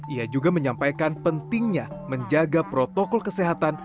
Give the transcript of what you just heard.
ia juga menyampaikan pentingnya menjaga protokol kesehatan